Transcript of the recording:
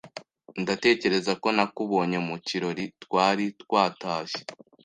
Ndatekereza ko nakubonye mukirori twari twatashye